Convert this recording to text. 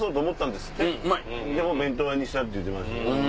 でも弁当屋にしたって言ってました。